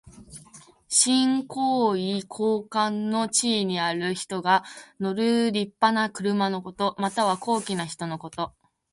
身高位高官の地位にある人が乗るりっぱな車のこと。または、高貴な人のこと。